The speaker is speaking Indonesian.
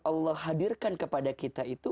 allah hadirkan kepada kita itu